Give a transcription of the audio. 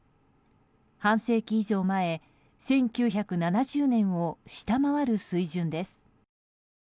半世紀以上前１９７０年を下回る水準です。